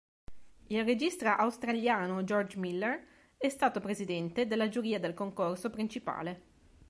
Il regista australiano George Miller è stato il presidente della giuria del concorso principale.